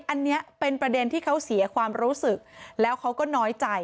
อันนี้เป็นประเด็นที่เขาเสียความรู้สึกแล้วเขาก็น้อยใจ